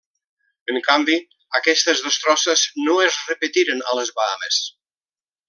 En canvi, aquestes destrosses no es repetiren a les Bahames.